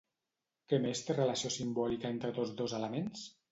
Què més té relació simbòlica entre tots dos elements?